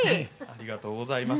ありがとうございます。